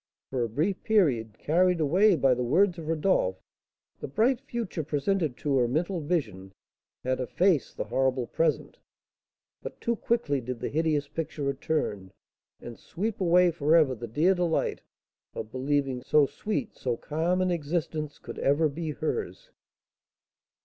For a brief period, carried away by the words of Rodolph, the bright future presented to her mental vision had effaced the horrible present; but too quickly did the hideous picture return, and sweep away for ever the dear delight of believing so sweet, so calm an existence could ever be hers.